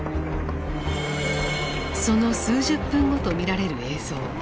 その数十分後と見られる映像。